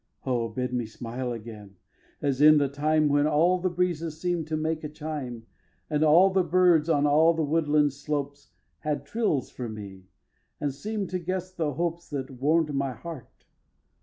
xix. Oh, bid me smile again, as in the time When all the breezes seem'd to make a chime, And all the birds on all the woodland slopes Had trills for me, and seem'd to guess the hopes That warm'd my heart.